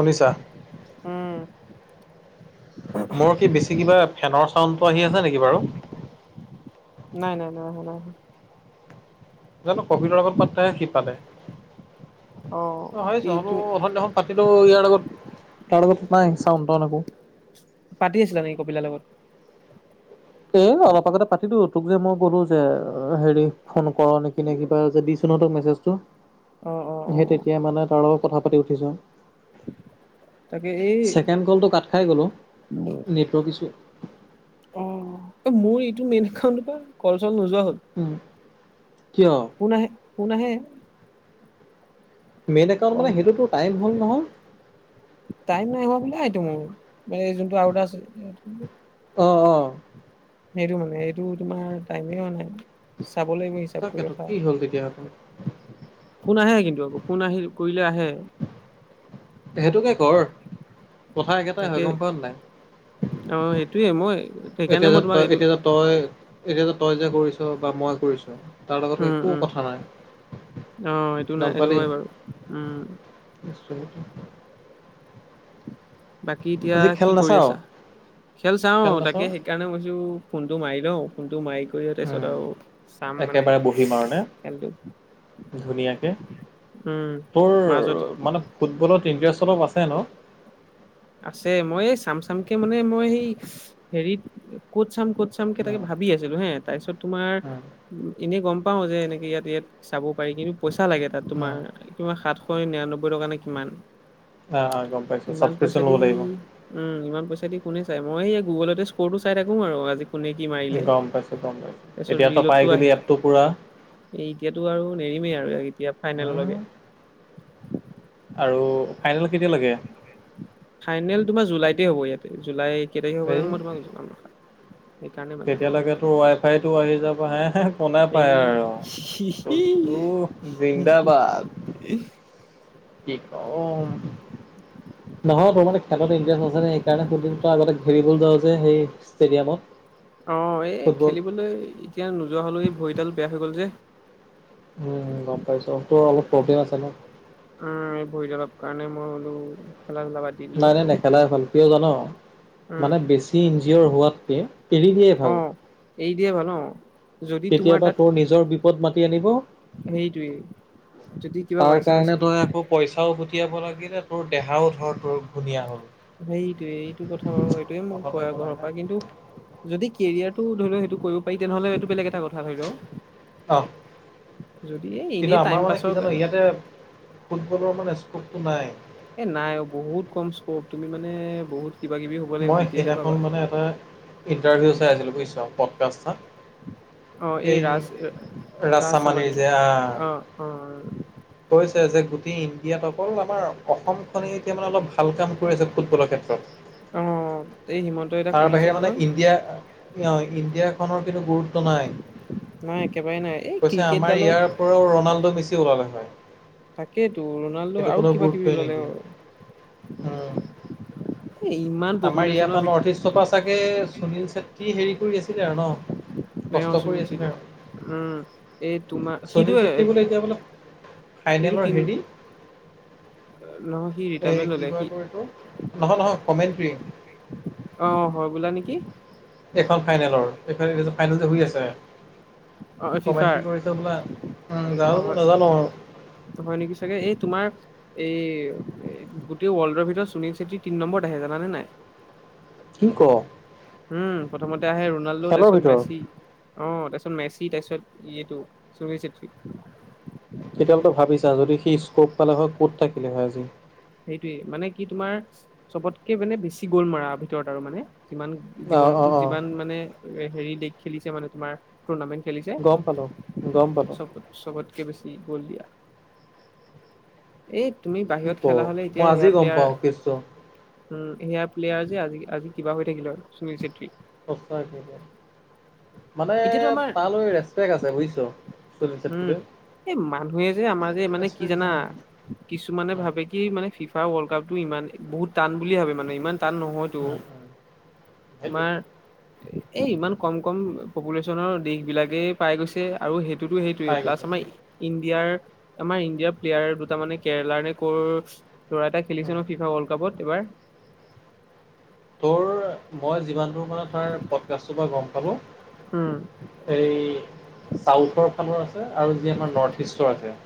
শুনিছা? উম। মোৰ কি বেছি কিবা ফেনৰ চাউণ্ডটো আহি আছে নেকি বাৰু? নাই, নাই, নাই, নাই। জানো কভিডৰ আগত পাতেহে সি পাতে অ', কি তুমি অথনি দেখোন। পাতিলোঁ ইয়াৰ আগত তাৰ আগত নাই চাউণ্টাউন একো। পাতি আছিলা নেি কপিলৰ লগত। এ, অলপ আগতে পাতিলোঁ। তোক যে মই ক'লো যে হেৰি ফোন কৰ নেকি নে কিবা যে দিছোঁ ন তোক মেছেজটো। অ', অ', অ'। সেই অ', তেতিয়া মানে তাৰ লগত কথা পাতি উঠিছোঁ, তাকে এই ছেকেণ্ড কলতো কা খাই গ'ল অ', নেটৱৰ্ক ইচ্ছোঁ। অ', মোৰ এইটো মেইন একাউণ্টৰ পৰা কল চল নোযোৱা হ'ল। উম, কিয়? ফোন আহে। মেইন একাউণ্ট কল মানে সেইটো টাইম হ'ল নহয়। টাইম নাই হোৱা বোলেটো মোৰ মানে যোনটো আৰু এটা আছিল। অ', অ'। সেইটো মানে এইটো তোমাৰ টাইমে হোৱা নাই, চাব লাগিব হিচাপ কৰি তাকেতো ৰখা। কি হ'ল তেতিয়া। ফোন আহে কিন্তু আকৌ ফোন আহি কৰিলে আহে। সেইটোকে কৰ কথা একেটাই তাকে হয় গম পা নে নাই। অ', সেইটোয়ে মই। সেইকাৰণে এতিয়া মই যে তোমাক তই এইটো এতিয়া তই এতিয়া তই যে কৰিছ বা মই কৰিছোঁ। তাৰ লগত উম, একো উম, কথা নাই অ', এইটো নাই গ'ম এইটো পালি। হয় বাৰু উম। নিশ্চয়ক [unintelligible] বাকী এতিয়া আজি খেল কি কৰি নাচাও আছা, খেল চাওঁ তাকে সেইকাৰণে কৈছো ফোনটো মাৰি লওঁ। ফোনটো মাৰি কৰি তাৰ পিছত আৰু চাম মানে একেবাৰে বহিম আৰু নে খেলটো ধুনীয়াকে উম তোৰ মাজত মানে ফুটবলত ইণ্টাৰেষ্ট অলপ আছে ন। আছে মই এই চাম চামকে মানে মই সেই হেৰিত ক'ত চাম ক'ত চাম তাকে উম, ভাবি আছিলো হে তাৰপিছত তোমাৰ উম, এনে গম পাওঁ যে এনেকে ইয়াত, ইয়াত চাব পাৰি কিন্তু পইচা লাগে তাত তোমাৰ উম। কিমান সাতশ নিৰান্নব্বৈ টকা নে কিমান। অ', অ', গম পাইছোঁ ইমান [unintelligible] পইচা উম ইমান পইচা দি কোনে চাই মই স গুগলতে স্ক'ৰ টো চাই থাকো আৰু আজি কালি কোনে কি মাৰিলে গম পাইছোঁ গম পাইছোঁ তাৰপিছত এতিয়াতো পাই ৰীলতো আহে গ'লি এপটো পূৰা এই এতিয়াতো আৰু নেৰিমেই আৰু এতিয়া ফাইনেললৈকে আৰু ফাইনেল কেতিয়া লাগে। ফাইনেল তোমাৰ জুলাইতে হ'ব ইয়াতে জুলাই কেই তাৰিখে হ'ব এই জানো মই তোমাক জনাম। সেইকাৰণে মানে তেতিয়ালৈকে তো ৱাই ফাইতটো আহি যাবা হে কোনে পায় আৰু [unintelligible] অচু জিন্দাবাদ। ইচ্। কি [unintelligible] ক'ম অ'। নহয় তোৰ মানে খেলত ইণ্টাৰেষ্ট আছে ন সেইকাৰণে দুদিন আগতে খেলিবলৈ যাওঁ যে সেই ষ্টেডিয়ামত। অ', এই ফুটবল খেলিবলৈ এতিয়া নোযোৱা হলেও এই ভৰিডাল বেয়া হৈ গ'ল যে উম, গম পাইছোঁ তোৰ অলপ প্ৰব্লেম আছে ন। উম, এই ভৰিত অলপ কাৰণে মই বোলো খেলা ধূলা বাদ দি দিলো নাই, নাই নে খেলাই ভাল কিয় জান উম মানে বেছি এঞ্জয়জিয়ৰ হোৱাতকে এৰি দিয়ে অ ভাল। এৰি দিয়াই ভাল উম। কেতিয়াবা তোৰ নিজৰ বিপদ মাতি আনিব। হেৰিটোৱে যদি কিবা বাই তাৰ চান্স কাৰণে তই আকৌ পইচাও গটিয়াব লাগিলে তোৰ দেহাও ধৰ তোৰ ঘূনীয়া হ'ল। সেইটোয়ে এইটো কথা বাৰু সেইটোয়ে মোক কয় আৰু ঘৰৰ পৰা কিন্তু যদি কেৰিয়াৰ টো ধৰি লও সেইটো কৰিব পাৰি তেনেহ'লে এইটো বেলেগ এটা কথা। ভাল লও অ যদি কিন্তু এনেই আমাৰ টাইম মানে কি পাছৰ জানো কাৰণে ইয়াতে ফুটবলৰ মানে স্কপটো নাই। এ নাই অ', বহুত কম স্কপ তুমি মানে বহুত কিবা কিবি হব লাগিব তেতিয়াহে পাবা। হে ইণ্টাৰভিউ চাই আছিলোঁ বুইছ প্ৰডকাষ্টতা। অ এই ৰাজ ৰাজচামানিৰ যে আ উ। কৈছে যে গোটেই ইন্দিয়াট অকল আমাৰ খনে অলপ ভাল কৰিছে ফুটবলৰ ক্ষেত্ৰখনত। অ', এই হিমন্ত এটা তাৰ খুলিছে বাহিৰে মানে নহয় ইণ্ডিয়া ইণ্ডিয়াখনৰ কিন্তু গুৰুত্ব নাই নাই একেবাৰে নাই এই কৈছে আমাৰ ক্ৰিকেটডালত ইয়াৰ ও ৰনাল্ডো বেছি ওলালে হয়। তাকেইেতো ৰনাল্ডো সেইটো আৰু কোনো কিবা কিবি গুৰুত্বই ওলালে নিদিয়ে হয়। উম এ ইমান আমাৰ ইয়াৰ পপুলেশ্যনৰ পৰা নৰ্থ ইষ্টৰ পৰা চাগে সুনীল ছেত্ৰী হেৰি কৰি আছিলে আৰু ন। কষ্ট কৰি সুনীল ছেত্ৰী আছিল উম এই তোমাৰ আৰু সিটো সুনীল ছেত্ৰী বোলে এতিয়া বোললে সিটো ফাইনেলৰ তিন হেৰি নহয় সি এ ৰিটায়াৰমেন্ট ললে কি কয় সি তোৰ এই তোৰ নহয়, নহয় কমেনট্ৰি অ', হয় বোলা নেকি। এখন ফাইনেলৰ এই এই ফাই ফাইনেল যেই হুই আছে। অ ফিফাৰ কমেনট্ৰি কৰিছে বোলা উম অ হয় যাওো নাজানো আৰু হয় নেকি চাগে এই তোমাৰ এই গোটেই ৱৰ্ল্ডৰ ভিতৰত সুনীল ছেতী তিনি নম্বৰত আহে জানে নাই। কি কৰ উম, প্ৰথমতে আহে ৰনাল্ডো, তাৰপিছত ভিতৰত মেচি। অ' তাৰপিছত মেচি, তাৰপিছত এইটো সুনীল চেত্ৰী। তেতিয়াহ'লে তো ভাবিছা যদি সি স্ক'প পালে হয় ক'ত থাকিলে হয় আজি। সেইটোৱে মানে কি তোমাৰ চবতকে মানে বেছি গ'ল মাৰ ভিতৰত আৰু মানে যিমান অঁ জীৱনতো অঁ অঁ যিমান মানে হেৰি দেশ খেলিছে মানে তোমাৰ টৰ্ণামেণ্ট খেলিছে গম পালোঁ গম পালোঁ চ'বটে। চবতকে বেছি গ'ল দিয়া এই তুমি কি বাহিৰত। ক খেলা হ'লে মই এতিয়া আজি সেয়া গম প্লেয়াৰ। পাওঁ কেছটো উম, সেয়া প্লেয়াৰ যে আজি আজি কিবা হৈ থাকিলো আৰু সুনীল চেত্ৰী। সঁচাকৈ মানে এতিয়াতো আমাৰ তালৈ ৰেচপেক আছে বুইছ। উম, এই মানুহে যে আমাৰ যে মানে কি ৰেচপেক্ট আছে জানা মানুহটোৰ কিছুমানে ভাবে। সি মানে ফিফা ৱৰ্লড কাপ ইমান বহুত টান বুলি ভাবে মানে ইমান টান নহয়। টো উম উম উম সেইটোৱে তোমাৰ। এই ইমান কম কম পপুলেশ্যনৰ দেশ বিলাকেই পাই গৈছে আৰু সেই। পাই [unintelligible] প্লাছ গৈছে আমাৰ ইণ্ডিয়াৰ আমাৰ ইণ্ডিয়াৰ প্লেয়াৰ দুটা মানে কেৰেলাৰ নে কৰ। ল'ৰা এটা খেলিছে উম নহয় ফিফা ওৰ্ল্ড কাপত এবাৰ। তোৰ মই যিমান দূৰ মানে তাৰ পডকাষ্টৰ পৰা গ'ম পালোঁ। উম। হেৰিই চাউথৰ ফালৰ আছে আৰু যি আমাৰ নৰ্থ ইষ্টৰ আছে।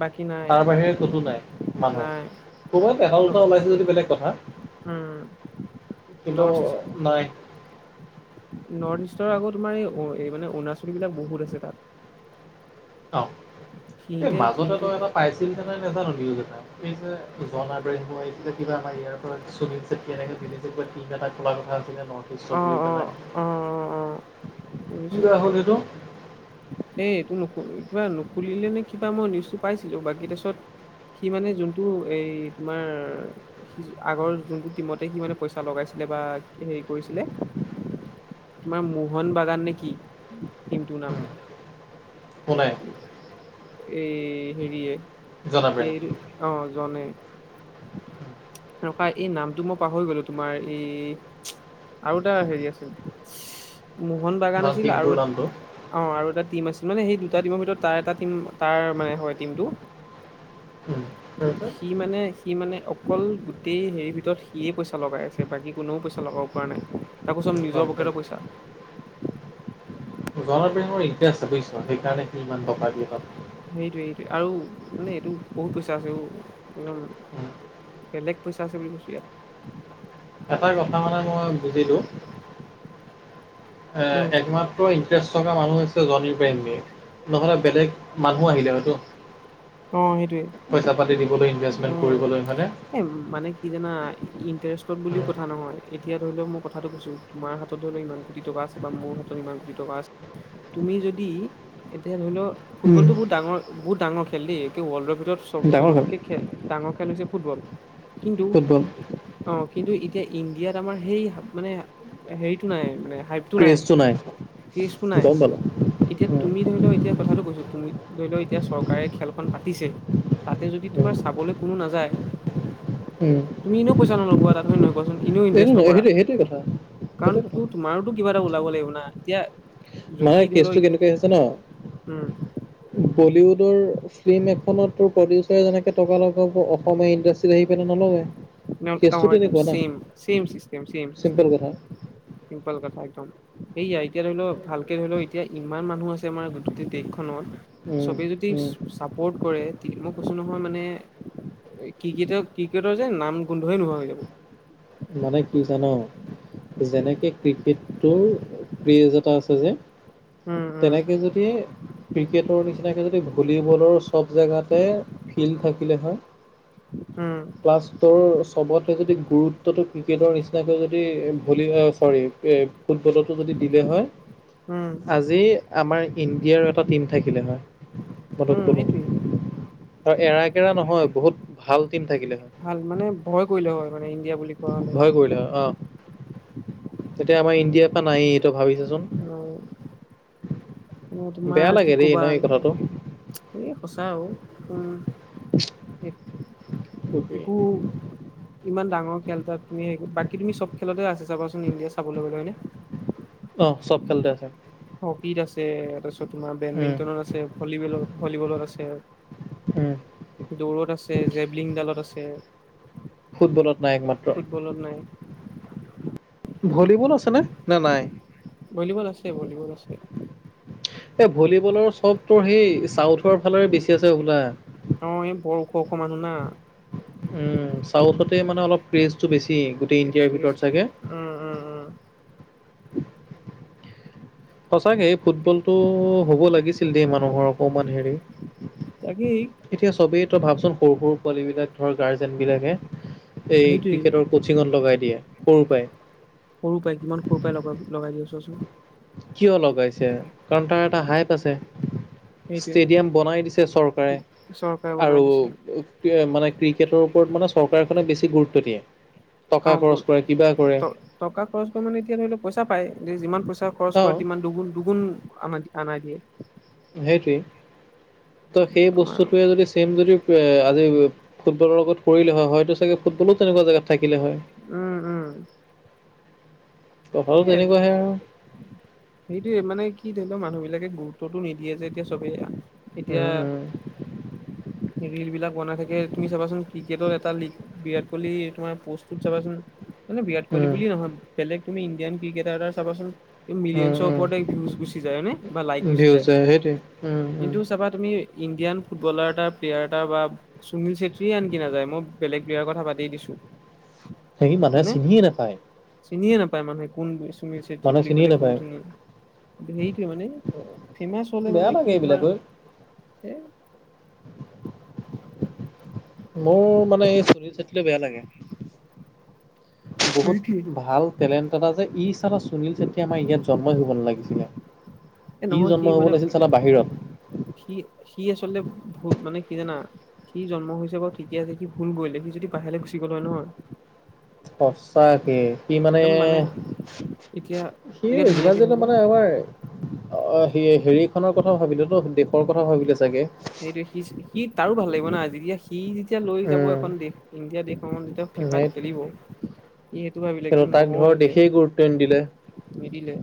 বাকী না তাৰ বাহিৰে ক'তো নাই মানুহ ক'ৰবাত এটা ন দুটা ওলাইছে যদি বেলেগ কথা। উম। কিন্তু নৰ্থ নাই। নৰ্থ ইষ্টৰ আকৌ তোমাৰ এই মানে অৰুণাচল বিলাক বহুত আছে তাত। অ' এই সিহঁতে মাজতে সিহঁতে তই এটা। পাইছিলেনে নাই নাজানো নিউজ এটা এই যে জন [unintelligible] এই কিবা আমাৰ ইয়াৰ। সুনীল চেত্ৰী এনে ভিডিঅ'যে কয় কিবা এটা খোলা কথা আছিলে নৰ্থ ইষ্ট অ', বুলি পেলাই অ', অ', অ', অ', শুনিছো কিবা। কোন এইটো এই এইটো নুখ কিবা নুখুলিলে নে কিবা মই নিউজটো পাইছিলো বাকি তাৰপিছত। সি মানে যোনটো এই তোমাৰ। সি আগৰ যোনটো টিমতে সি মানে পইচা লগাইছিলে বা হেৰি কৰিছিলে। তোমাৰ মোহন বাগান নে কি টিমটোৰ‌ নাম। পলাই এই জন হেৰিয়ে আব্ৰাহিম এইটো অ' জনে। নাপাই এই নামটো মই পাহৰি গলোঁ তোমাৰ এই। আৰু এটা হেৰি আছিল, মোহন বাগান নাম আছিল আৰু টিমটোৰ নামটো অ' আৰু এটা টিম আছিল। মানে সেই দুটা টিমৰ ভিতৰত তাৰ এটা টিম তাৰ মানে হয়, টিমটো তাৰপিছত সি মানে সি মানে অকল গোটেই হেৰিৰ ভিতৰত সিয়েই পইচা লগাই আছে, বাকী কোনেও পইচা লগাব পৰা নাই। তাকো চ'ব গম নিজৰ পকেটৰ পাইছোঁ। পইচা। জন ইব্ৰাহিমৰ ইনটাৰেষ্ট আছে বুইছ, সেইকাৰণে সি ইমান টকা দিয়ে তাত। হেইটোৱে হেইটোৱে আৰু মানে এইটো বহুত পইচা আছে অ' একদম উম, বেলেগ পইচা আছে বুলি কৈছো ইয়াক। এটা কথা মানে মই বুজিলোঁ। এ উম একমাত্ৰ ইণ্টাৰেষ্ট থকা মানুহ হৈছে জন ইব্ৰাহিমে। নহ'লে বেলেগ মানুহ আহিলে হয়তো। অ', সেইটোয়ে। পইচা পাতি দিবলৈ ইনভেষ্টমেণ্ট উম। কৰিবলৈ হয়নে? এ মানে কি জানা ইটাৰেষ্টত বুলিও উম। কথা নহয় এতিয়া ধৰি লওঁ মই কথাটো কৈছো। তোমাৰ হাতত ধৰি লোৱা ইমান কোটি টকা আছে বা মোৰ হাতত ইমান কোটি টকা আছে। তুমি যদি এতিয়া ধৰি ল উম, ফুটবলটো বহুৰ ডাঙৰ বহুত ডাঙৰ খেল দে একে ৱৰ্ল্ডৰ ভিতৰত চব ডাঙৰ হয়। চবতকে খেল ডাঙৰ খেল হৈছে ফুটবল। কিন্তু ফুটবল অ', কিন্তু এতিয়া ইণ্ডিয়াত আমাৰ সেই মানে হেৰিটো নাই মানে হা টো নাই কেচটো নাই। গম পালা? এতিয়া উম, তুমি ধৰি ল এতিয়া কথাটো কৈছো তুমি ধৰি ল এতিয়া চৰকাৰে খেলখন পাতিছে। তাতে যদি উম, তোমাৰ চাবলৈ কোনো নাযায়। উম। তুমি এনেও পইচা নলগোৱা তাত হয় নে নহয় কোৱাচোন এনেও এইটো ইনভেষ্ট নহয় নকৰা। সেইটোৱে সেইটোৱে কথা সেইটোৱে কাৰণ কথা। তু তোমাৰোতো কিবা এটা ওলাব লাগিব না। এতিয়া মানে যদি ধৰি লও কেচটো কেনেকুৱা হৈছে জানা? উম বলিউডৰ ফিল্ম এখনত তোৰ প্ৰডিউচাৰে যেনেকে টকা লগাব অসমীয়া ইণ্ডাচ [unintelligible] নলগায় কেচটো তেনেকুৱা না same same system same system simple কথা। চিম্পল কথা একদম। সেইয়া এতিয়া ধৰি ল ভালকে ধৰি ল এতিয়া ইমান মানুহ আছে আমাৰ গোটেইটে দেশখনত। উম, চবে যদি উম। চা চাপৰ্ট কৰে মই কৈছো নহয় মানে ক্ৰিকেটক ক্ৰিকেটৰ যে নাম গোন্ধই নোহোৱা হৈ যাব। মানে কি জানা? যেনেকে ক্ৰিকেটটোৰ ক্ৰেজ এটা আছে যে। উম, উম, তেনেকে যদি ক্ৰিকেটৰ নিচিনাকৈ যদি ভলীবলৰ চব জেগাতে ফিল্ড থাকিলে হয়। উম। প্লাছ তোৰ চবতে যদি গুৰু ক্ৰিকেটৰ নিচিনাকে যদি ভলী চৰি এ ফুটবলতো যদি দিলে হয়। উম, আজি আমাৰ ইণ্ডিয়াৰ এটা টিম থাকিলে হয়। মই তোক উম, কলো সেইটোৱে আৰু এৰা কেৰা নহয় বহুত ভাল টিম থাকিলে হয়। ভাল মানে ভয় কৰিলে হয় মানে ইণ্ডিয়া বুলি কোৱা হলে। ভয় কৰিলে হয় অ'। এতিয়া আমাৰ ইণ্ডিয়াৰ পৰা নায়েই। ভাবি চোৱা চোন অ', বেয়া লাগে দেই ন এই কথাটো। এ সঁচা অ' তোৰ একো ইমান ডাঙৰ খেল তাত তুমি বাকী তুমি চব খেলতে আছে চাবাচোন ইণ্ডিয়া চাবলৈ গ'লে হয়নে। অ', চব খেলতে আছে। হকীত আছে তাৰপিছত তোমাৰ উম বেডমিণ্টনত আছে ভলীবলত ভলীবলত আছে। উম। দৌৰত আছে জেভলিংডালত আছে। ফুটবলত নাই একমাত্ৰ। ফুটবলত নাই। ভলীবল আছে নে নে নাই? ভলীবল আছে ভলীবল আছে। এই ভলীবলৰ চব তোৰ সেই চাউথৰ ফালৰে বেছি আছে হ'বলা। অ', এই ব ওখ ওখ মানুহ না। উম, চাউথতে মানে অলপ ক্ৰেজটো বেছি গোটেই ইণ্ডিয়াৰ ভিতৰত চাগে। উম, উম, উম। সঁচাকে ফুটবলটো হ'ব লাগিছিল দেই মানুহৰ অকমান হেৰি। তাকেই এতিয়া চবেই তই ভাবচোন সৰু সৰু পোৱালী বিলাক ধৰ গাৰ্জেন বিলাকে এই সেইটোৱেই ক্ৰিকেটৰ কোচিঙত লগাই দিয়ে সৰু পৰাই। সৰু পৰাই কিমান সৰুৰ পৰাই লগাব লগাই দিব চোৱা চোন। কিয় লগাইছে কাৰণ তাৰ এটা হাইপ আছে। সেইটোৱে ষ্টেডিয়াম বনাই দিছে চৰকাৰে চৰকাৰে বনাই আৰু দিছে মানে ক্ৰিকেটৰ ওপৰত মানে চৰকাৰখনে বেছি গুৰুত্ব দিয়ে অ টকা বহুত খৰচ কৰে কিবা কৰে। টকা খৰচ কৰি মানে এতিয়া ধৰি লোৱা পইচা পায় এতিয়া যিমান পইচা খৰচ অঁ কৰে তিমান দুগুণ দুগুণ অনাই দিয়ে। সেইটোৱেই তো সেই আমাৰ বস্তুটোৱে যদি চেম যদি এ আজি ফুটবলৰ লগত কৰিলে হয় হয়টো চাগে ফুটবলো তেনেকুৱা জেগাত থাকিলে হয়। উম উম কথাটো এই তেনেকুৱাহে আৰু সেইটোয়ে মানে কি ধৰি লোৱা মানুহ বিলাকে গুৰুত্বতটো নিদিয়ে যে এতিয়া চবেই। এতিয়া উম, ৰিল বিলাক বনাই থাকে তুমি চাবাচোন ক্ৰিকেটৰ এটা লীগ বিৰাট কোহলি তোমাৰ পষ্টত চাবাচোন। মানে বিৰাট উম, কহলি উম, বুলিয়ে নহয় বেলেগ তুমি ইণ্ডিয়ান ক্ৰিকেটাৰ এটাৰ চাবাচোন। উম, মিলিয়নছৰ উম। ওপৰত ভিউজ গুচি যায় হয়নে বা লাইক গুচি ভিউজ যায় সেইটোৱে কিন্তু চাবা তুমি ইণ্ডিয়ান ফুটবলাৰ এটা প্লেয়াৰ এটা বা সুনীল চেত্ৰীয়ে আনকি নাযায় মই বেলেগ প্ৰয়ীৰ কথা বাদেই দিছো। সেই মানুহে হয়নে চিনিয়ে নাপায়। চিনিয়ে নাপায় মানুহে কোন চুনিল চেত্ৰী মানুহে বুলি চিনিয়ে ক'লে কোন নাপায় চুনিল হেৰিটোয়ে মানে ফেমাচ হলে বেয়া মানে লাগে কি এইবিলাক তোমাৰ ঐ এ মোৰ মানে এই চুনিল ছেত্ৰী বেয়া লাগে সেইটোৱে। বহুত ভাল টেলেণ্ট এটা যে ই চালা সুনীল চেত্ৰী আমাৰ ইয়াত জন্মই হব নালাগিছিলে। এ নহয় সি জন্ম হ'ব মানে লাগিছিল চালা বাহিৰত সি সি আচলতে মানে কি জানা সি জন্ম হৈছে বাৰু ঠিকেই আছে সি ভুল কৰিলে সি যদি বাহিৰলৈ গুচি গ'লে হয় নহয় সচা কে। সি মানে এতিয়া সি এতিয়া যিমান ধুনীয়াকে যি ধৰি লোৱা মানে আমাৰ অ' সি হেৰিখনৰ কথা ভাবিল ন দেশৰ কথা ভাবিলে চাগে। সেইটো সি সি তাৰো ভাল লাগিব না আজি সি যেতিয়া লৈ যাব উম এখন দেশ ইণ্ডিয়া দেশসমত যেতিয়া ফিফাত খেলিব। এইটো সতাক ধৰক দেশেই গুৰুত্ব নিদিলে। নিদিলে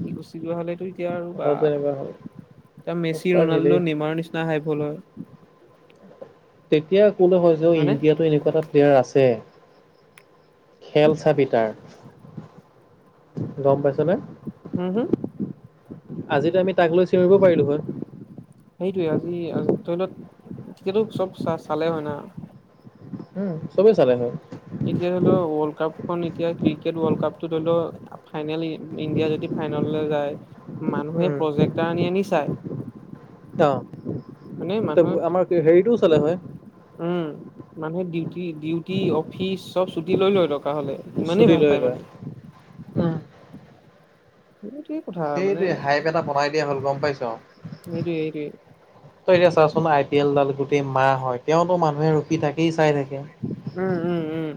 কি ক হ'লে তু ভ তেনেকুৱা হ'ল। এতিয়া মেচি সঁচাকে দেই ৰোনাল্ডো নেমাৰৰ নিচিনা হাইফল হয়। তেতিয়া কলে হয় যে হয়নে ইণ্ডিয়াতটো এনেকুৱা এটা প্য়াৰ আছে খেল চাপিতাৰ। গম পাইছ নে। হম হম? আজিতো আমি তাক লৈ চিঞৰিব পাৰিলো হয়। সেইটোৱে আজি ধৰি লওক তেতিয়াতো চব চা চালে হয় না। উম, চবেই চালে হয়। এতিয়া ধৰি লও ৱৰ্ল্ড কাপ খ এতিয়া ক্ৰিকেট ৱৰ্ল্ড কাপটো ধৰি লও ফাইনেল ইণ্ডিয়া যদি ফাইনেললৈ যায় মানুহে প্ৰজেক্ট এটা আনি আনি চায়। অ' মানে ত মানুহে আমাৰ হেৰিটোও চালে হয় উম, মানুহে ডিউটি, ডিউটি অফিচ চব ছুটি লৈ লয়টো। থকা হ'লে ইমানেই চুটি ভাল লৈ পায় লৈ। মানে। সেইটোৱেই। সেইটো হাইপ এটা বনাই দিয়া হ'ল গম পাইছ। সেইটোৱে সেইটোৱে তই এতিয়া চাচোন আই পি এলডাল গোটেই মাহ হয়, তেওঁতো মানুহে ৰখি থাকি তাকেই চাই থাকে। উম, উম, উম।